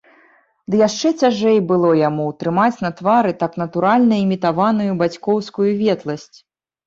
Ды яшчэ цяжэй было яму ўтрымаць на твары так натуральна імітаваную бацькоўскую ветласць.